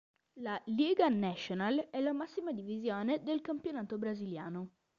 La Liga Nacional è la massima divisione del campionato brasiliano.